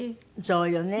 そうよね。